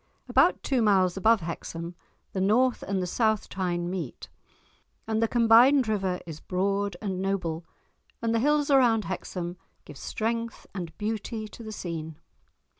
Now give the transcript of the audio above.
About two miles above Hexham the North and the South Tyne meet, and the combined river is broad and noble, and the hills around Hexham give strength and beauty to the scene.